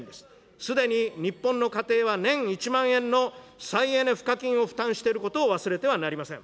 すでに日本の家庭は年１万円の再エネ賦課金を負担していることも忘れてはなりません。